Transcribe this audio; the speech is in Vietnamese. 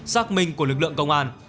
xác minh của lực lượng công an